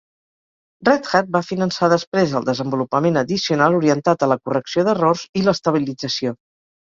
Red Hat va finançar després el desenvolupament addicional orientat a la correcció d'errors i l'estabilització.